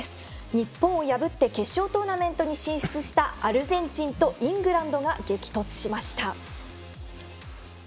日本を破って決勝トーナメントに進出したアルゼンチンとイングランドが激突しました。